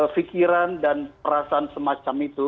pikiran dan perasaan semacam itu